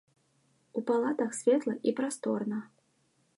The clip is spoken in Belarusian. У палатах светла і прасторна.